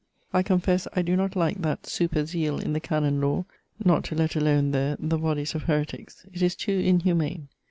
I confess I doe not like that super zeale in the Canon Lawe, not to let alone there the bodys of heretiques. It is too inhumane.